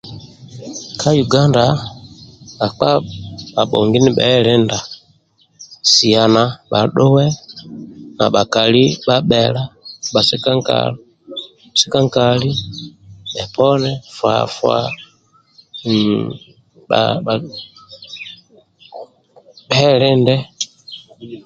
Ka uganda bhakpa bhabhomgi ni bhelinda siana bhadhue na bhakali ndibha bhela sika nkali bhe poni fa fa hhh bhelinde